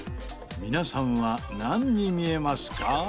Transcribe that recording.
皆さんはなんに見えますか？